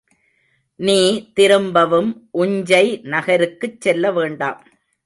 நீ திரும்பவும் உஞ்சை நகருக்குச் செல்ல வேண்டாம்.